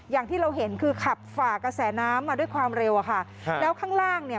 อย่างที่เราเห็นคือขับฝ่ากระแสน้ำมาด้วยความเร็วอะค่ะครับแล้วข้างล่างเนี่ย